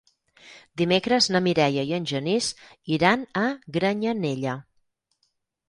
Dimecres na Mireia i en Genís iran a Granyanella.